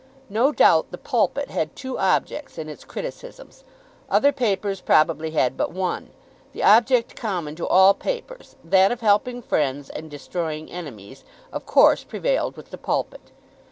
No doubt the "Pulpit" had two objects in its criticisms. Other papers probably had but one. The object common to all papers, that of helping friends and destroying enemies, of course prevailed with the "Pulpit."